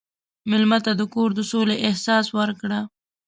مېلمه ته د کور د سولې احساس ورکړه.